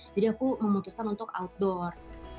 jadi aku memutuskan untuk outdoor